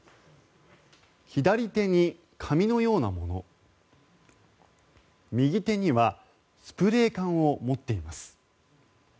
左手に紙のようなもの右手にはスプレー缶を持っています。